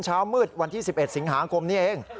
เช้ามืดวันที่๑๑สิงหาคมนี้เอง